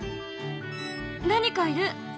何かいる！